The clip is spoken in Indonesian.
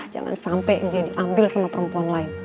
jangan sampai dia diambil sama perempuan lain